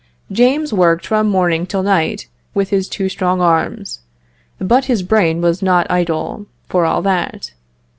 James worked from morning till night with his two strong arms, but his brain was not idle, for all that.